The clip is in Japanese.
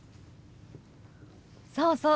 そうそう。